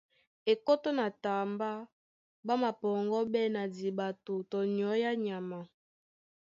Ekótó na tambá ɓá mapɔŋgɔ́ɓɛ́ na diɓato tɔ na nyɔ̌ á nyama.